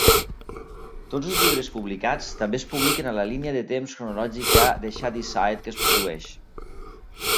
Tots els llibres publicats també es publiquen a la línia de temps cronològica de Shadyside que es produeix.